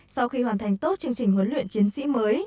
sau khi hoàn thành tốt chương trình huấn luyện chiến sĩ mới